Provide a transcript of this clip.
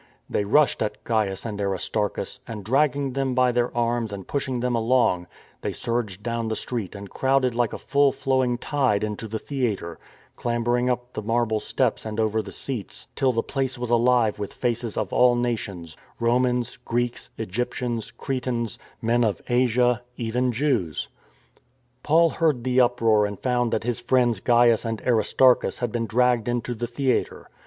They rushed at Gains and Aristarchus and, drag ging them by their arms and pushing them along, they surged down the street and crowded like a full flowing tide into the theatre, clambering up the marble steps and over the seats, till the place was alive with faces of all nations — Romans, Greeks, Egyptians, Cretans, men of Asia, even Jews. Paul heard the uproar and found that his friends Gains and Aristarchus had been dragged into the theatre.